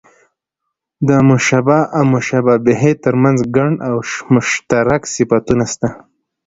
د مشبه او مشبه به؛ تر منځ ګډ او مشترک صفتونه سته.